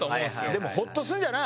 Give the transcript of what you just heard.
でもホッとするんじゃない？